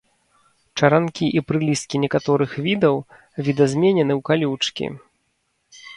Чаранкі і прылісткі некаторых відаў відазменены ў калючкі.